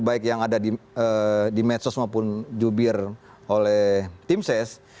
baik yang ada di medsos maupun jubir oleh timses